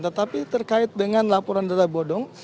tetapi terkait dengan laporan data bodong